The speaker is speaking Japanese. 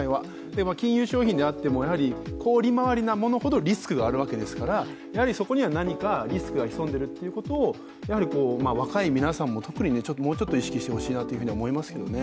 金融商品であっても、高利回りなものほどリスクがあるわけですからそこには何かリスクが潜んでいるということを若い皆さんも、もうちょっと意識してほしいなと思いますよね。